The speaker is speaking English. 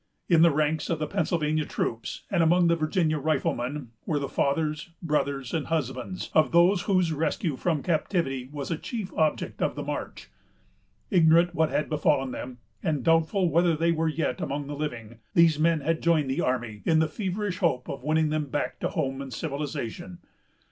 In the ranks of the Pennsylvania troops, and among the Virginia riflemen, were the fathers, brothers, and husbands of those whose rescue from captivity was a chief object of the march. Ignorant what had befallen them, and doubtful whether they were yet among the living, these men had joined the army, in the feverish hope of winning them back to home and civilization.